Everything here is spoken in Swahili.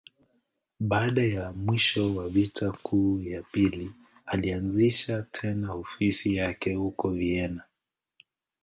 Baada ya mwisho wa Vita Kuu ya Pili, alianzisha tena ofisi yake huko Vienna.